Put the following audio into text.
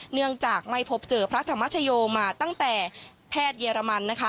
เนื่องจากไม่พบเจอพระธรรมชโยมาตั้งแต่แพทย์เยอรมันนะคะ